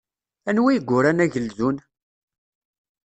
Anwa i yuran Ageldun?